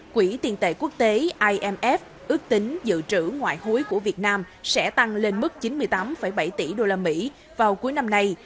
quỹ tiền tệ quốc tế imf ước tính dự trữ ngoại hối của việt nam sẽ tăng lên mức chín mươi tám bảy tỷ usd vào cuối năm nay